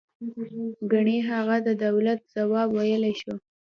گني هغه د دولت ځواب ویلای شوی.